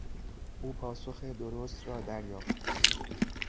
او پاسخ درست را دریافت.